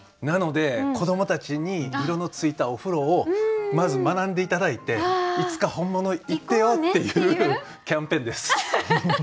なので子どもたちに色のついたお風呂をまず学んで頂いていつか本物行ってよっていうキャンペーンです。